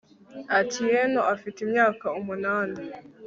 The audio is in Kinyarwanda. atieno afite imyaka umunani